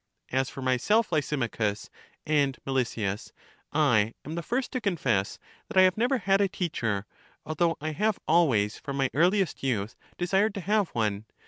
As for myself, Lysi machus and Melesias, I am the first to confess that I have never had a teacher; although I have always from my earliest youth desired to have one.